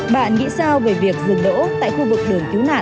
bạn nghĩ sao về việc dừng đỗ tại khu vực đường cứu nạn